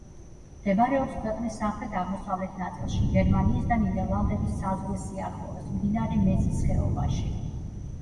მდებარეობს ქვეყნის სამხრეთ-აღმოსავლეთ ნაწილში, გერმანიის და ნიდერლანდების საზღვრის სიახლოვეს, მდინარე მეზის ხეობაში.